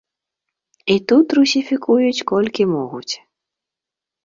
І тут русіфікуюць колькі могуць.